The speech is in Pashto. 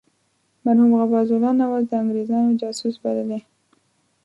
مرحوم غبار الله نواز د انګرېزانو جاسوس بللی.